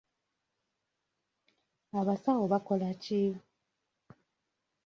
Abasawo bakola ki?